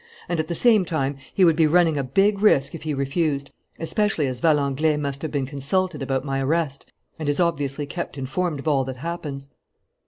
And at the same time, he would be running a big risk if he refused, especially as Valenglay must have been consulted about my arrest and is obviously kept informed of all that happens."